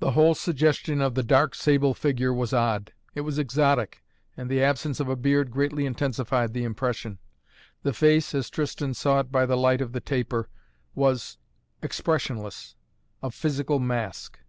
The whole suggestion of the dark, sable figure was odd. It was exotic, and the absence of a beard greatly intensified the impression. The face, as Tristan saw it by the light of the taper, was expressionless a physical mask.